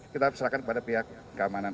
kita serahkan kepada pihak keamanan